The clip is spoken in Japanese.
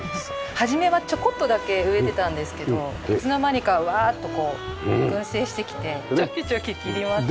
初めはちょこっとだけ植えてたんですけどいつの間にかうわーっとこう群生してきてチョキチョキ切りました。